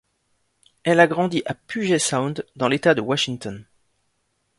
Elle a grandi à Puget Sound dans l'État de Washington.